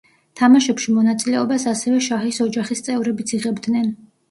თამაშებში მონაწილეობას ასევე შაჰის ოჯახის წევრებიც იღებდნენ.